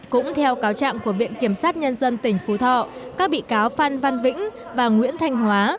cũng theo cáo trạng của viện kiểm sát nhân dân tỉnh phú thọ các bị cáo phan văn vĩnh và nguyễn thanh hóa